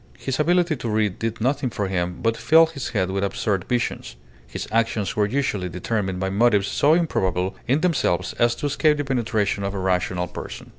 His ability to read did nothing for him but fill his head with absurd visions. His actions were usually determined by motives so improbable in themselves as to escape the penetration of a rational person.